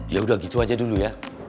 ya udah gitu aja dulu ya